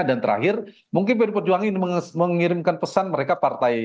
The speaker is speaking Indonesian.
dan terakhir mungkin pd perjuangan ingin mengirimkan pesan mereka partai